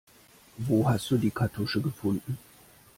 Wo hast du die Kartusche gefunden?